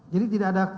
jadi tidak ada